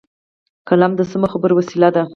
قلم د سمو خبرو وسیله ده